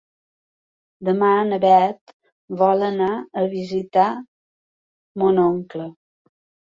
Demà na Bet vol anar a visitar mon oncle.